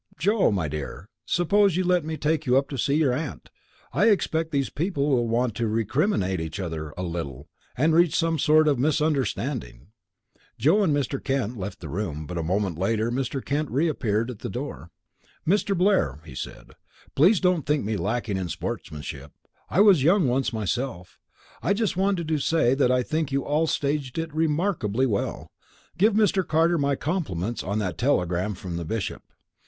Joe, my dear, suppose you let me take you up to see your aunt. I expect these people will want to recriminate each other a little, and reach some sort of misunderstanding." Joe and Mr. Kent left the room, but a moment later Mr. Kent reappeared at the door. "Mr. Blair," he said, "please don't think me lacking in sportsmanship. I was young once myself. I just wanted to say that I think you all staged it remarkably well. Give Mr. Carter my compliments on that telegram from the Bishop."